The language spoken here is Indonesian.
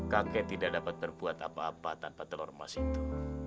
kakek tidak dapat berbuat apa apa tanpa telur emas itu